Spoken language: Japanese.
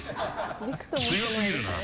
強すぎるな。